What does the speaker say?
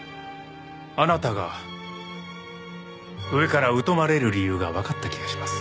あなたが上から疎まれる理由がわかった気がします。